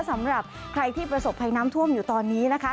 สำหรับใครที่ประสบภัยน้ำท่วมอยู่ตอนนี้นะคะ